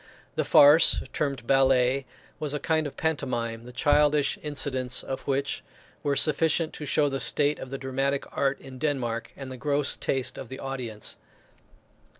The farce, termed ballet, was a kind of pantomime, the childish incidents of which were sufficient to show the state of the dramatic art in Denmark, and the gross taste of the audience.